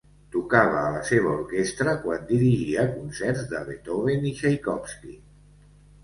Tocava a la seva orquestra quan dirigia concerts de Beethoven i Txaikovski.